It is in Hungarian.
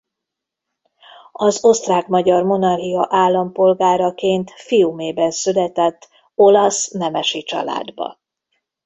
Az Osztrák–Magyar Monarchia állampolgáraként Fiumében született olasz nemesi családba.